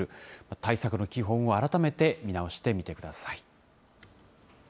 対策の基本を改めて見直してみてください。